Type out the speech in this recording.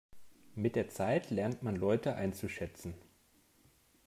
Mit der Zeit lernt man Leute einzuschätzen.